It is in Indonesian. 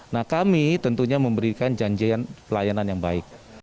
nah kami tentunya memberikan janjian pelayanan yang baik